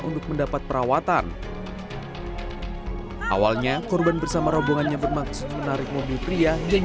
untuk mendapat perawatan awalnya korban bersama robongannya bermaksud menarik mobil pria yang